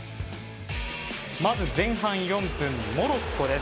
まず前半４分モロッコです。